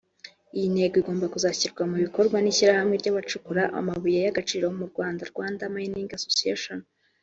Iyi ntego igomba kuzashyirwa mu bikorwa n’Ishyirahamwe ry’Abacukura amabuye y’agaciro mu Rwanda (Rwanda Mining Associtation)